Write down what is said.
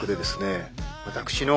私の